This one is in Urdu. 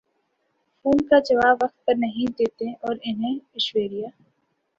فون کا جواب وقت پر نہیں دیتیں اور انہیں ایشوریا